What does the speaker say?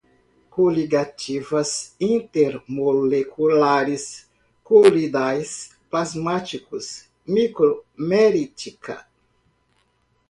coligativas, intermoleculares, coloidais, plasmáticos, micromerítica